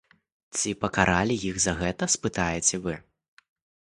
Ці пакаралі іх за гэта, спытаеце вы?